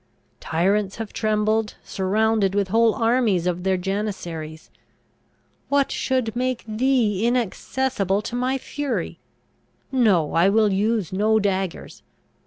Tyrants have trembled, surrounded with whole armies of their Janissaries! What should make thee inaccessible to my fury? No, I will use no daggers!